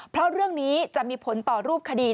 เพราะเรื่องนี้จะมีผลต่อรูปคดี